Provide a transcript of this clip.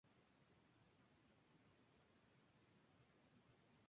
Pronto escapó, y tomó parte en el Sitio de París.